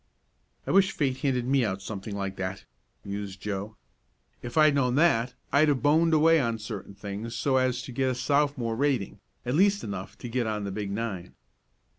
"I wish fate handed me out something like that," mused Joe. "If I had known that I'd have boned away on certain things so as to get a Sophomore rating at least enough to get on the big nine."